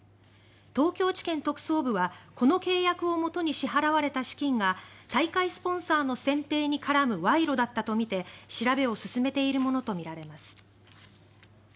東京地検特捜部はこの契約をもとに支払われた資金が大会スポンサーの選定に絡む賄賂だったとみて調べを進めているものとみられます。